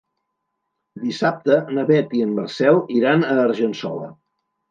Dissabte na Beth i en Marcel iran a Argençola.